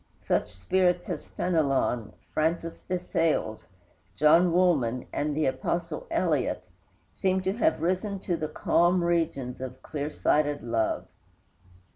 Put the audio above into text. Such spirits as Fénelon, Francis de Sales, John Woolman, and the apostle Eliot, seem to have risen to the calm regions of clear sighted love.